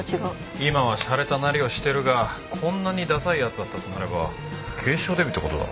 今はしゃれたなりをしてるがこんなにださい奴だったとなれば警視庁デビューって事だろ。